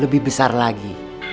lebih besar lagi